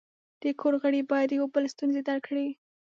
د کور غړي باید د یو بل ستونزې درک کړي.